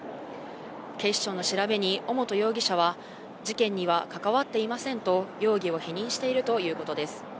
警視庁の調べに、尾本容疑者は、事件には関わっていませんと容疑を否認しているということです。